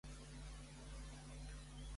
Qui va fer embogir Àiax?